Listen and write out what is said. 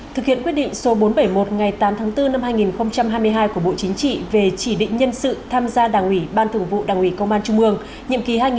thực hiện quyết định số bốn trăm bảy mươi một ngày tám tháng bốn năm hai nghìn hai mươi hai của bộ chính trị về chỉ định nhân sự tham gia đảng ủy ban thường vụ đảng ủy công an trung ương